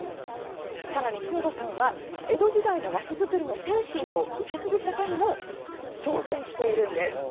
さらに篠田さんは江戸時代の和紙作りの精神を受け継ぐことにも挑戦しているんです。